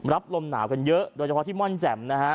รับลมหนาวกันเยอะโดยเฉพาะที่ม่อนแจ่มนะฮะ